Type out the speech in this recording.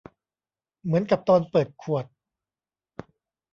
เหมือนกับตอนเปิดขวด